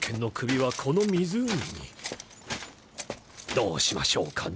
どうしましょうかねぇ。